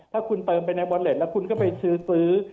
ถ้าคุณเติมไปในบอลเล็ตแล้วคุณก็ไปซื้อ